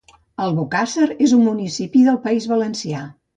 Albocàsser és un municipi del País Valencià